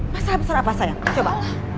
masalah besar apa sayang coba